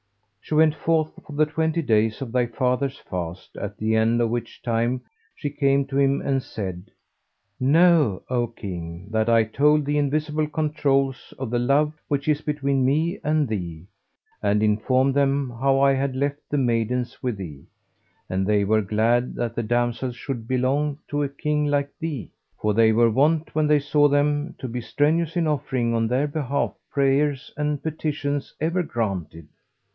She went forth for the twenty days of thy father's fast at the end of which time she came to him and said, 'Know, O King, that I told the Invisible Controuls of the love which is between me and thee, and informed them how I had left the maidens with thee, and they were glad that the damsels should belong to a King like thee; for they were wont, when they saw them, to be strenuous in offering on their behalf prayers and petitions ever granted.